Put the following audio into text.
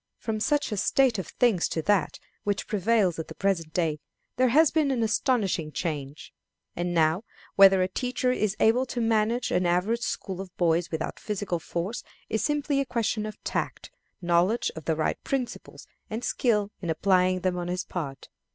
From such a state of things to that which prevails at the present day there has been an astonishing change. And now, whether a teacher is able to manage an average school of boys without physical force is simply a question of tact, knowledge of the right principles, and skill in applying them on his part.